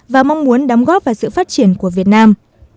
và mong muốn đóng góp vào sự phát triển của việt nam